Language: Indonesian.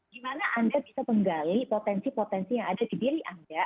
gimana anda bisa menggali potensi potensi yang ada di diri anda